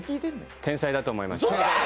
天才だと思いました。